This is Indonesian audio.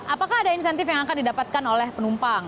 apakah ada insentif yang akan didapatkan oleh penumpang